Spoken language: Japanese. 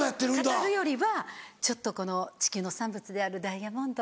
語るよりはちょっとこの地球の産物であるダイヤモンド。